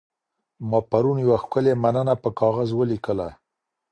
ما پرون یوه ښکلې مننه په کاغذ ولیکله.